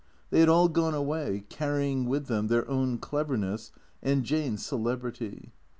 They had all gone away, carrying with them their own cleverness and Jane's celebrity.